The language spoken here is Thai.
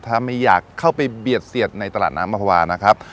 ถ้าไม่อยากเข้าไปเบียดเสียดในตลาดน้ำมภาวานะครับ